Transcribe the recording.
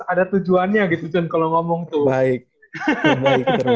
ada tujuannya gitu john kalau ngomong itu